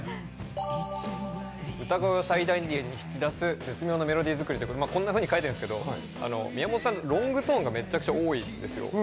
歌声を最大限に引き出す絶妙なメロディー作りと書いてあるんですけど、宮本さんはロングトーンがめちゃくちゃ多いんですよ。